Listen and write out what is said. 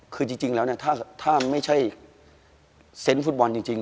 คือจริงแล้วเนี่ยถ้าไม่ใช่เซนต์ฟุตบอลจริง